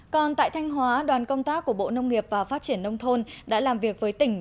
còn tại thanh hóa đoàn công tác của bộ nông nghiệp và phát triển nông thôn đã làm việc với tỉnh